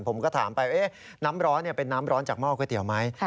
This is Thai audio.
ผมก็ถามไปน้ำร้อนเป็นน้ำร้อนจากหม้อก๋วยเตี๋ยวไหม